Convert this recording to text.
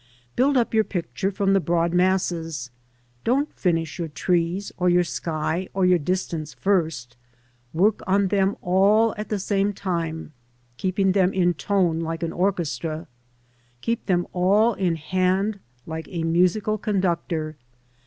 Build up your picture from the broad masses; don't finish your trees, or your sky, or your distance first. Work on them all at the same time, keepin g them in tone like an orchestra. Keep them all in hand like a musical conductor.